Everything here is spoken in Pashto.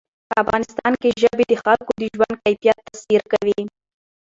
افغانستان کې ژبې د خلکو د ژوند کیفیت تاثیر کوي.